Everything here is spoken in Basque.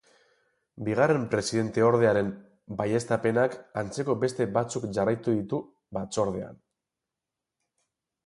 Bigarren presidenteordearen baieztapenak antzeko beste batzuk jarraitu ditu batzordean.